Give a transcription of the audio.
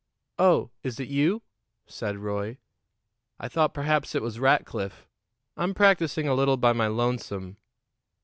"Oh, is it you?" said Roy. "I thought perhaps it was Rackliff. I'm practicing a little by my lonesome."